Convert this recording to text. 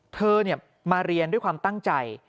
เธอมาเรียนด้วยความตั้งใจ